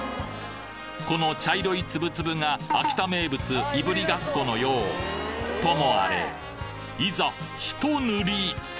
この茶色いツブツブが秋田名物「いぶりがっこ」のようともあれいざひと塗り！